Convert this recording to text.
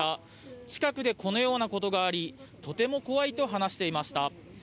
近くでこのようなことがありとても怖いと話していました。